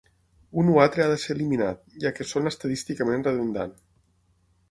Un o altre ha de ser eliminat, ja que són estadísticament redundant.